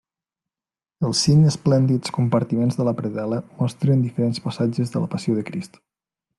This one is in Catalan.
Els cinc esplèndids compartiments de la predel·la mostren diferents passatges de la Passió de Crist.